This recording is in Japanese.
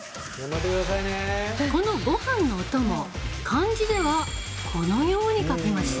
この、ごはんのお供漢字では、このように書きます。